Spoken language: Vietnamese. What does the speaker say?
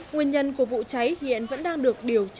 nguyên nhân của vụ cháy hiện vẫn đang được điều tra